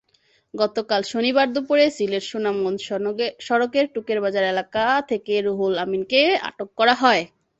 গতকাল শনিবার দুপুরে সিলেট-সুনামগঞ্জ সড়কের টুকেরবাজার এলাকা থেকে রুহুল আমিনকে আটক করা হয়।